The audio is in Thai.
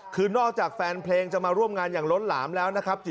คือนอกจากแฟนเพลงจะมาร่วมงานอย่างล้นหลามแล้วนะครับ